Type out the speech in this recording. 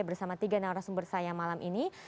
bersama tiga narasumber saya malam ini